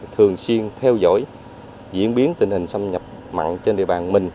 thường xuyên theo dõi diễn biến tình hình xâm nhập mặn trên địa bàn mình